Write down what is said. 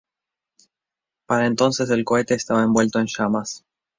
Para entonces el cohete estaba envuelto en llamas.